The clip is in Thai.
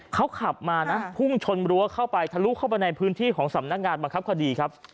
เขาขับมานะพุ่งชนรั้วเข้าไปทะลุเข้าไปในพื้นที่ของสำนักงานบังคับคดีครับ